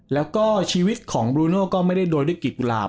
แล้วก็ชีวิตของบลูโน่ก็ไม่ได้โรยด้วยกีบกุหลาบ